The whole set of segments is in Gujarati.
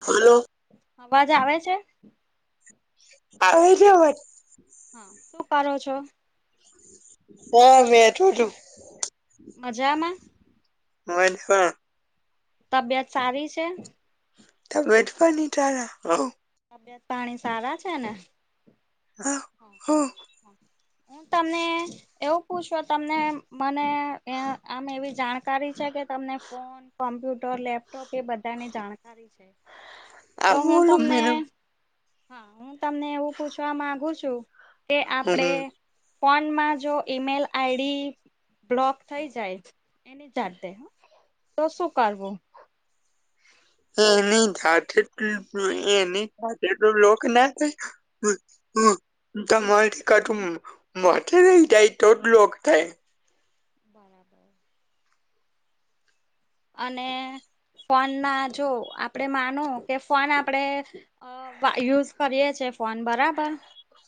હલો. અવાજ આવે છે? [unintelligible] હા શું કરો છો? [unintelligible] મજામાં. મહેસાણા. તબિયત સારી છે. તમેચપ ની ઘારા હલો. તબિયત પાણી સારા છે ને હઉ હઉ હું તમને. એવું પૂછો તમને મને આમ એવી જાણકારી છે કે તમને ફોન કોમ્પ્યુટર લેપટોપ એ બધાની જાણકારી છે. તો હું તમને [unintelligible] હા હું તમને એવું પૂછવા માંગુ છું કે આપડે હમ ફોનમાં જો ઈમેલ આઈડી બ્લોક થઈ જાય એની જાતે તો શું કરવો. એની જાતે એની જાતેટ લોક ના થતાં. હ હ [unintelligible] મથે નહી થાય તો જ લોક થાય. બરાબર. અને ફોન ના જો આપડે માનો કે ફોન આપડે આ વાયુઝ કરીએે ફોન બરાબર.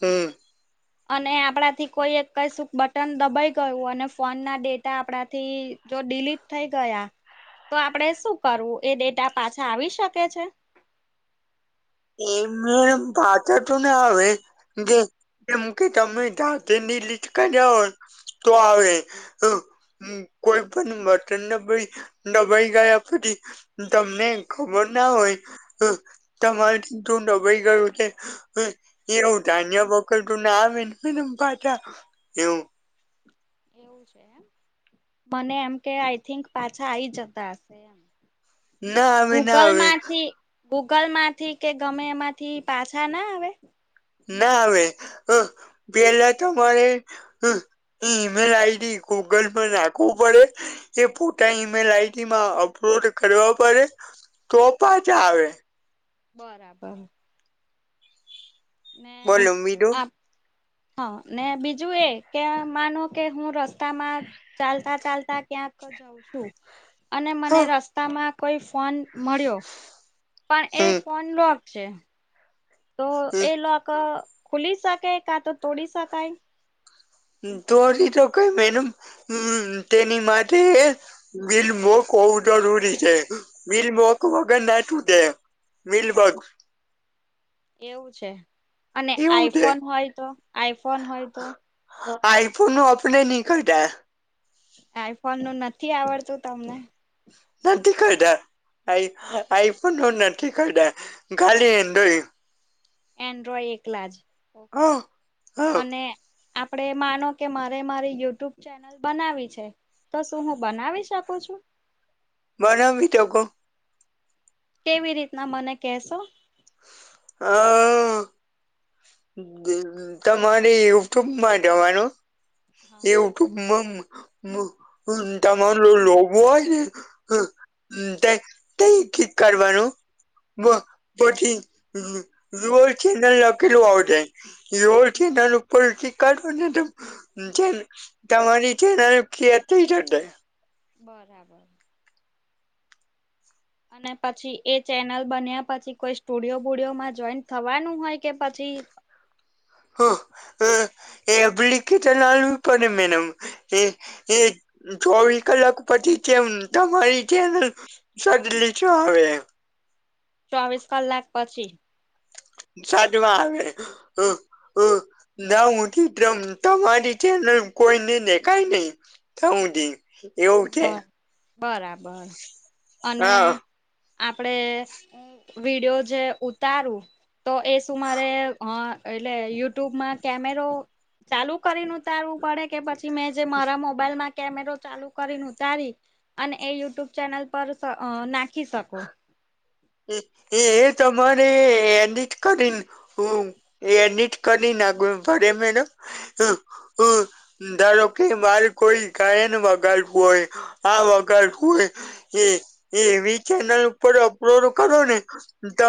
હમ. અને આપણાથી કોઈ એક કઈ શું બટન દબાઈ ગયું અને ફોન ના ડેટા આપણાથી જો ડીલીપ થઈ ગયા. તો આપડે શું કરવું એ ડેટા પાછા આવી શકે છે. એમને પાછાને આવે જે એમ કે તમે ધાતેની લીસ્ટ ક જાવ તો આવે કોઈ પણ મર્તન દબ દબાઈ ગયા પછી તમને ખબર ના હોય તમારેથી તું દબાઈ ગયું છે. એવું તન્યા બકલ તું ના આવે પાછા એવું. એવું છે મને એમ કે આઈ થિંક પાછા આઈ જતા હશે એમ. ના આવે ના ગૂગલ આવે માંથી. ગૂગલ માંથી કે ગમે એમાંથી પાછા ના આવે. ના આવે હ પેલા તમારે. હઅ ઈમેલ આઈડી ગૂગલ પર નાખવું પડે જે ફોટા ઈ-મેલ આઈડીમાં અપલોડ કરવા પડે તો પાછા આવે. બરાબર. ને બોલો બીજું આ હા, ને બીજું એ કે માનો કે હું રસ્તામાં ચાલતા ચાલતા ક્યાંક જઉં શું અને મને હા રસ્તામાં કોઈ ફોન મળ્યો પણ એ હમ્મ ફોન લોક છે. તો એ હમ્મ લોક ખુલી શકે કા તો તોડી શકાય? તોડી તોકાય મેડમ તેની માટે બિલ મોક હોવું જરૂરી છે મિલ મોક વગર નાટુંટે વીલબર્ગ એવું છે અને એવું છે આઈફોન હોય તો આઈફોન હોય તો આઈફોન નું આપણે ની કઢ્યા આઈફોન નું નથી આવડતું તમને [unintelligible] આઈ આઈ ફોન નો નથી કતા ખાલી એન્ડ્રોઇડ એન્ડ્રોય એકલા જ ઓકે હા હા અને આપડે માનો કે મારે મારી યુટ્યુબ ચેનલ બનાવી છે તો શું હું બનાવી શકું છું બનાવી તકો. કેવી રીતના મને કહેશો હઅ તમારે યુટ્યુબમાં જવાનું હા એવુ તું મમ મ તમારો લોગો હોયને [unintelligible] કરવાનું બ પછી રો ચેનલ લખલું હોવ [unintelligible] [unintelligible] બરાબર. અને પછી એ ચેનલ બન્યા પછી કોઈ સ્ટુડિયો બુડિયોમાં જોઈન થવાનું હોય કે પછી [inaudible] [unintelligible] ચોવીસ કલાક પછી તેમ તમારી ચેનલ [unintelligible] આવે ચોવીસ કલાક પછી સાજમાં આવે ના ઉધી તમ તમારી ચેનલ કોઈને દેખાય નઈ તા હુધી. એવું છે બરાબર અને હા આપડે વિડિયો જે ઉતારું તો એ શું મારે હઅ એટલે યુટ્યુબમાં કેમેરો ચાલુ કરીન ઉતારવું પડે કે પછી મેં જે મારા મોબાઈલમાં કેમેરો ચાલુ કરીન ઉતારી અન એ યુટ્યુબ ચેનલ પર સ ના ખી શકો. એ એ તમારે એડિટ કરી [unintelligible] એડિટ કરી નાખવા પરે મેડમ ધારો કે મારે કોઈ ગાયન વગાડવું હોય આ વગાડવું હોય એ એવી ચેનલ ઉપર અપલોડ કરો ને તો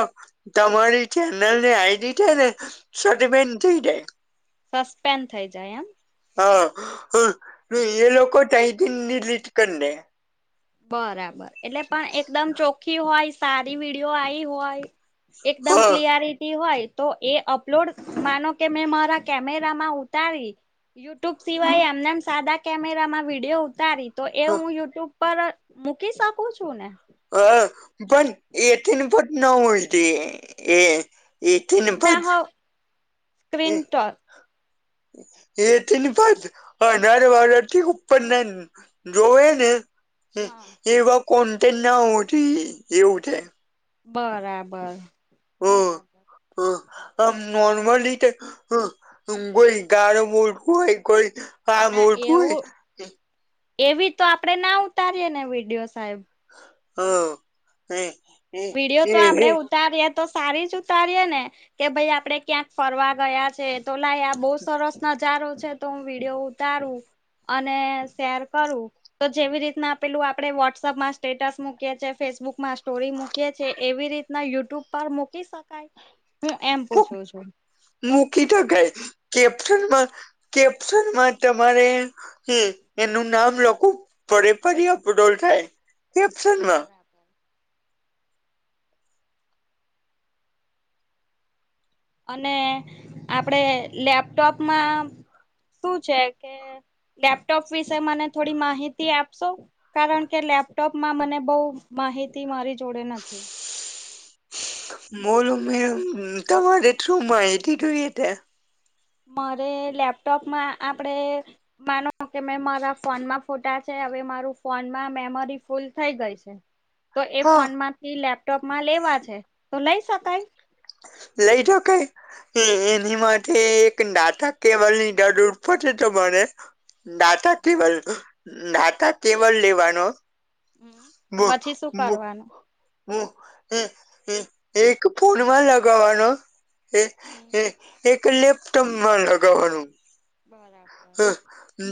તમારી ચેનલ ની આઈડી છે ને સટફેન થઈ જાય સસ્પેન્ડ થઈ જાય એમ. હા હ એ લોકો ટાાઈટિનની લીટ કરીને બરાબર એટલે પણ એકદમ ચોખ્ખી હોય સારી વિડીયો આઈ હોય. એકદમ હા ક્લિયારિટી હોય. તો એ અપલોડ માનો કે મેં મારા કેમેરામાં ઉતારી યુટ્યુબ સિવાય એમનેમ સાદા કેમેરામાં વિડીયો ઉતારી. તો એ હું યુટ્યુબ પર મૂકી શકું છું ને હ પણ એથીને પટ ન ઉલતી એ. એથી ને શું ના ફચ. હો સ્ક્રીન ટોક. [unintelligible] જોવે ને હા એવા કોન્ટેન્ટ ના હોતી એવું છે. બરાબર બરાબર. હ આ નોર્મલી તે હ ના [unintelligible] એવું એવી તો આપડે ના ઉતારીયએ ને વિડિયો સાહેબ. હા એ વિડીયો તો આપડે એ ઉતારીએ તો સારી જ ઉતારીએ ને કે ભાઈ આપડે ક્યાંક ફરવા ગયા છે. તો લાયા બો સરસ નજારો છે તો હું વિડીયો ઉતારું અને શેર કરું. તો જેવી રીતના આપેલું આપડે વોટ્સઅપમાં સ્ટેટસ મૂકીએ છીએ ફેસબુકમાં સ્ટોરી મૂકી છે એવી રીતના યુટ્યુબ પર મૂકી શકાય હું એમ પૂછું છું. મૂકી થકાય કેપ્શનમાં કેપ્શનમાં તમારે હ એનું નામ લખું [unintelligible] બરાબર અને આપડે લેપટોપમાં શું છે કે લેપટોપ વિશે મને થોડી માહિતી આપશો? કારણ કે લેપટોપમાં મને બઉ માહિતી મારી જોડે નથી. બોલો મેમ તમારે શું માહિતી જોઈ તે? મારે લેપટોપમાં આપડે માનો કે મે મારા ફોનમાં ફોટા છે હવે મારું ફોનમાં મેમરી ફૂલ થઈ ગઈ છે. તો એ હા ફોનમાંથી લેપટોપમાં લેવા છે. તો લઈ શકાય? લઈ થકાઇ. એની માટે એક ડાટા કેબલની જરૂર પડે તમારે. ડાટા કેબલ ડાટા કેબલ લેવાનો પછી શું કરવાનું [unintelligible] [unintelligible] એક ફોનમાં લગાવવાનો એ એ એક લેપટોપમાં લગાવવાનું. બરાબર હ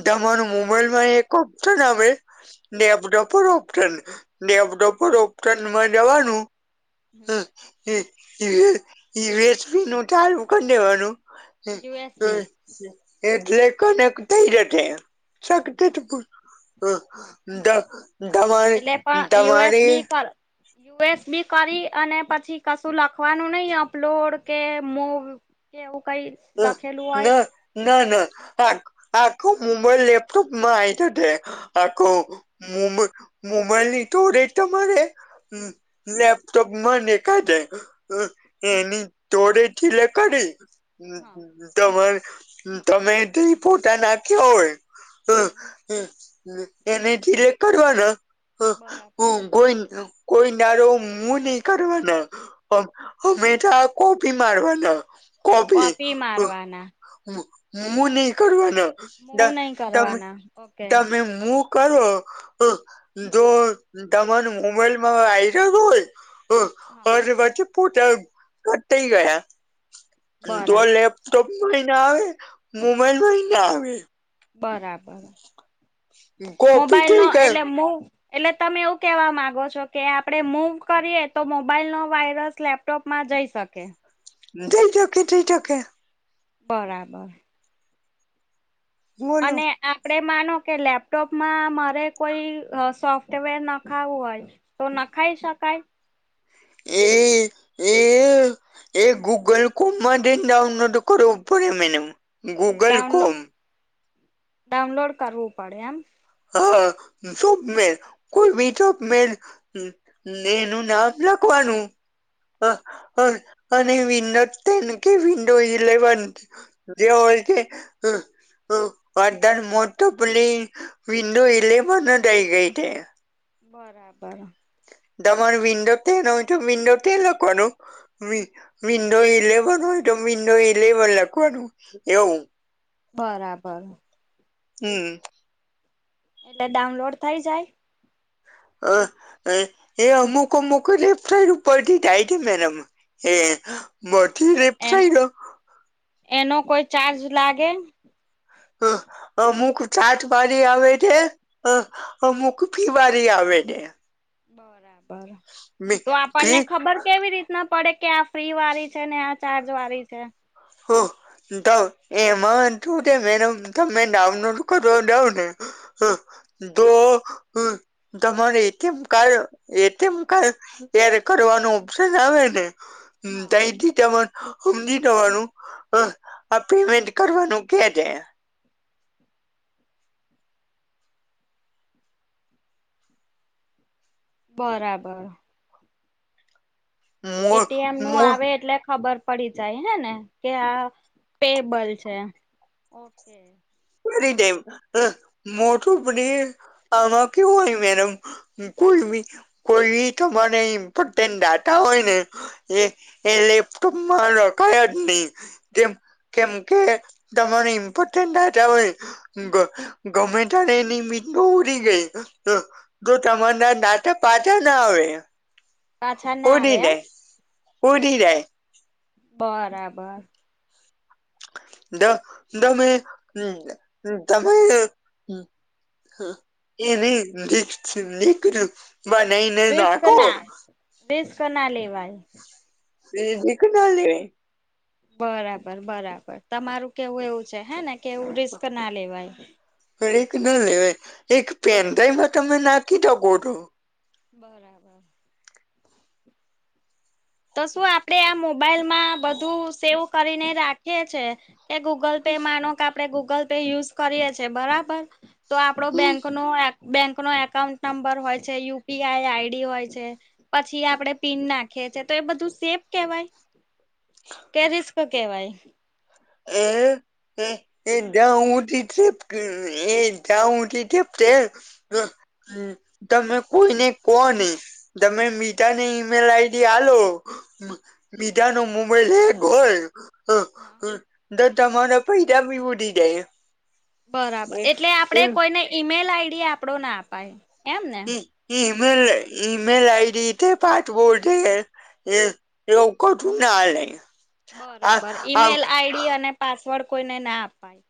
તમાર મોબાઈલમાં એક ઓપ્શન આવે લેપટોપ પર ઓપ [unintelligible] ડેપડોપ ઓપનમાં જવાનું હ [unintelligible] વેચવા નું ચાલું કરી દેવાનું હ યુએસબી હ એટલે કનેક્ટ થઈ જશે. હા [inaudible] તમારી એટલે પણ તમારી યુએસબી કર યુએસબી કરી અને પછી કશું લખવાનું નઈ અપલોડ કે મો કેવું કઈ? અ લખેલું હોય ના ના ના આ આખો મોબાઈલ લેપટોપમાં આઇ જતે આખો. મોબ મોબાઇલની જોડે તમારે લેપટોપમાં ને કાજે. હ એની જોડે સિલેક્ટ કરી હા તમા તમે ત ફોટા નાખ્યા હોય. હમ એને ધીરે કરવાના [unintelligible] હ હ બરાબર બોયન કોઈ નારો મુું નહી કરવાના, હમેશા કોપી મારવાના. કોપી, મૂવ નહી કરવાના. ત મૂવ નહી તમે કરવાના ઓકે તમે મૂવ કરો જો તમાને મોબાઈલમાં વાઇરસ હોય હા [inaudible] વછ પૂટા કતા ગયા. જો બરાબર લેપટોપમાંય ના આવે મોબાઈલ માય ના આવે. બરાબર. કોપી મોબાઈલ નો થઈ ગયો એટલે મો એટલે તમે એવું કેવા માંગો છો કે આપડે મૂવ કરીએ તો મોબાઈલ નો વાયરસ લેપ ટોપમાં જઈ શકે? જઈ શકે જઇ શકે. બરાબર. બોલો અને આપડે માનો કે લેપટોપમાં મારે કોઈ સોફ્ટવેર નખાવું હોય તો નખાય શકાય? એ એ એ ગૂગલ ક્રોમમાં જઈને ડાઉનલોડ કરવું પડે madam Google download Chrome. Download કરવું પડે એમ? હા સપમેલ કોઈ બીમેલ એનું નામ લખવાનું હા અને વિન્ડો ટેન કે વિન્ડો ઇલેવન જે હોય તે વાધણ મોતો પલી વિંડો ઇલેવન જ આઈ જાય છે. બરાબર. તમાર વિન્ડો ટેન હોય તો વિન્ડો ટેન લખવાનુ વી વિન્ડો ઇલેવન હોય તો વિંડો ઇલેવન લખવાનુ એવુ બરાબર હમ્મ એટલે ડાઉનલોડ થઈ જાય. હ એ અમુક અમુક જ વેબસાઇડ ઉપરથી થાય છે મેડમ હે હા તો એનો એનો કોઈ ચાર્જ લાગે હ અ અમુક ચાત પાડી આવે છે. અમુક ફીવારી આવે ને બરાબર તો આપણને ફી ખબર કેવી રીતે ના પડે કે આ ફ્રી વાળી છે ને આ ચાર્જ વાળી છે. હા તો એમાંશું છે મેડમ તમે ડાઉનલોડ કરવા જાઓ ને હ તો હ તમારે ATM card ATM card add કરવાનું ઓપ્શન આવે ને હા તો થી તમારે સમજી જવાનુ હ આ પેમેન્ટ કરવાનું કે જે બરાબર મો એટીએમ નું મો આવે એટલે ખબર પડી જાય હે ને કે આ પેબલ છે ઓકે કરી દેમ મોટું [unintelligible] આમાં કેવુ હોય મેડમ કોઈમી કોઈમી તમારે ઇમ્પોર્ટેન્ટ ડાટા હોય ને એ એ લેપટોપ માં રખાય જ નહી કેમ કેમ કે તમારે ઇમ્પોર્ટન્ટ ગમે ત્યારે એની મીટ ઉરી ગઈ જો તમાને નાટક પાછા ના આવે પાછા પ ના આવે દી એમ દે પડી દે બરાબર દ તમે તમે હા એ નહી નકપ બ નહી વસ કના વસ કના લેવાય ત દીખના બરાબર બરાબર તમારું કેવું એવુ છે, હે ને કે એવું રિસ્ક ના લેવાય. હ એક ના લેવા એક પેનડાાઈમાં તમે નાખી દો ગોટુ બરાબર તો શું આપડે આ મોબાઈલ માં બધું સેવ કરીને રાખીએ છે. એ ગૂગલ પે માનો કે આપડણે ગૂગલ પે યુઝ કરીયે છીએ બરાબર તો આપડો બેંકનો બેંકનોો એકાઉન્ટ નંબર હોય છે યુપી આઈ આઈડી હોય છે. પછી આપડે પીન નાખીએી તો એ બધું સેફ કેવાય કે રિસ્ક કેવાય એ એ જાઉીપ એ જાઉથી પ હ તમે કોઈ નને કોહ નહી તમે મીઠા ને ઈમેલ આઈડી આલો મીઠા ન મોબાઈલ હોય. હા હ તો તમારા પૈદા બી ઉધી જાય. બરાબર એટલે આપડે એ કોઈને ઈમેલ આઈડી આપડો ના અપાય એમ ને ઇમેલ ઇમેલ આઈડી તે પાઠ બોર્ડ [inaudible] બરાબર ઈમેલ આઈડી અને પાસવર્ડ કોઈને ના અપાય.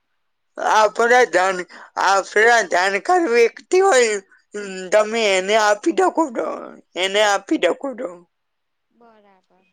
[inaudible] હોય હમ તમે એને આપી [inaudible] એને આપી [inaudible] બરાબર